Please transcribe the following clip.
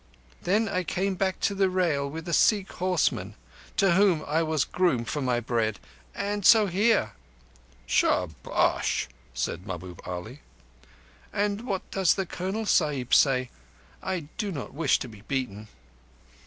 Then I came back to the rêl with a Sikh horseman, to whom I was groom for my bread; and so here." "Shabash!" said Mahbub Ali. "But what does the Colonel Sahib say? I do not wish to be beaten."